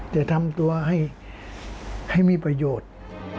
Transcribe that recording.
แต่ทำตัวให้ให้มีประโยชน์